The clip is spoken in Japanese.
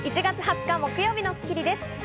１月２０日、木曜日の『スッキリ』です。